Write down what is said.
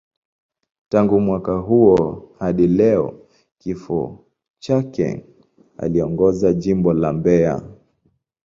Tangu mwaka huo hadi kifo chake, aliongoza Jimbo la Mbeya.